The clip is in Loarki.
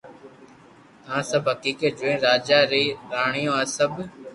آ سب حقيقت جوئين راجا ري راڻيو آ سب